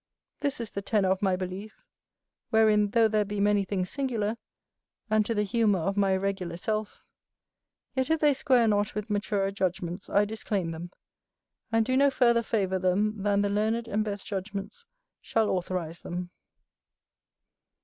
This is the tenour of my belief; wherein, though there be many things singular, and to the humour of my irregular self, yet, if they square not with maturer judgments, I disclaim them, and do no further favour them than the learned and best judgments shall authorize them.